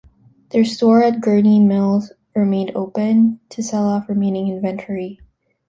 Their store at Gurnee Mills remained open to sell off remaining inventory.